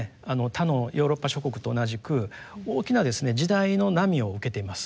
他のヨーロッパ諸国と同じく大きなですね時代の波を受けています。